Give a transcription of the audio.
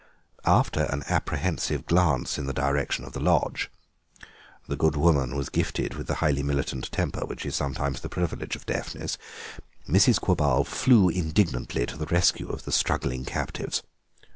After an apprehensive glance in the direction of the lodge (the good woman was gifted with the highly militant temper which is sometimes the privilege of deafness) Mrs. Quabarl flew indignantly to the rescue of the struggling captives.